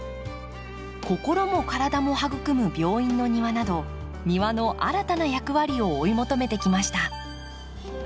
心も体も育む病院の庭など庭の新たな役割を追い求めてきました。